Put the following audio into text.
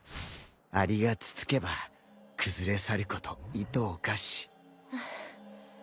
アリがつつけば崩れ去ることいとおかし。